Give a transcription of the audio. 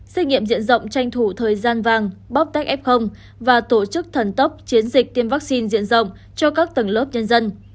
xét nghiệm diện rộng tranh thủ thời gian vàng bóc tách f và tổ chức thần tốc chiến dịch tiêm vaccine diện rộng cho các tầng lớp nhân dân